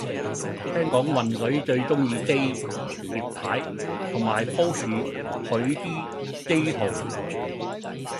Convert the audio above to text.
聽講渾水最鍾意 J 葉太，同埋 post 佢啲 J 圖